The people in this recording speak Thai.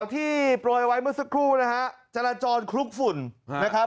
ที่โปรยไว้เมื่อสักครู่นะฮะจราจรคลุกฝุ่นนะครับ